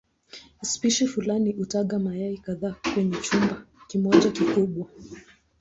Spishi fulani hutaga mayai kadhaa kwenye chumba kimoja kikubwa.